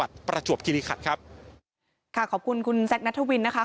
ประจวบคิริขันครับค่ะขอบคุณคุณแซคนัทวินนะคะ